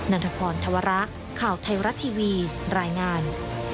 ันทพรธวระข่าวไทยรัฐทีวีรายงาน